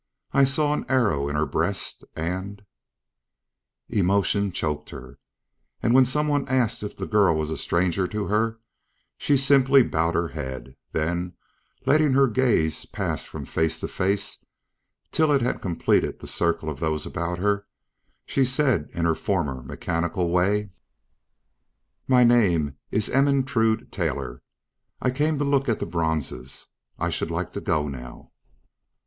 I saw an arrow in her breast, and " Emotion choked her, and when some one asked if the girl was a stranger to her, she simply bowed her head; then, letting her gaze pass from face to face till it had completed the circle of those about her, she said in her former mechanical way: "My name is Ermentrude Taylor. I came to look at the bronzes. I should like to go now."